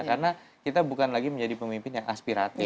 karena kita bukan lagi menjadi pemimpin yang aspiratif